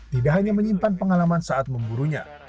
tidak hanya menyimpan pengalaman saat memburunya